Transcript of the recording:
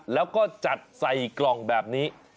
แล้วก็จัดใส่กล่องแบบนี้